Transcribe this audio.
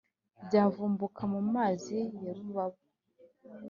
byavumbuka mu mazi ya rubabo